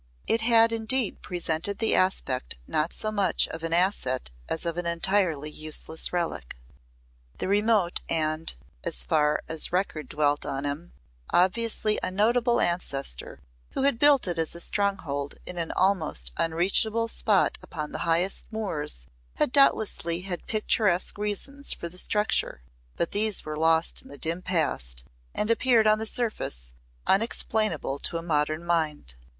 It had indeed presented the aspect not so much of an asset as of an entirely useless relic. The remote and as far as record dwelt on him obviously unnotable ancestor who had built it as a stronghold in an almost unreachable spot upon the highest moors had doubtlessly had picturesque reasons for the structure, but these were lost in the dim past and appeared on the surface, unexplainable to a modern mind.